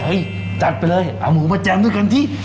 จัดไปเลยเอาหมูมาแจมด้วยกันสิ